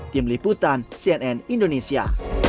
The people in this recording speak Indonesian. tim liputan cnn indonesia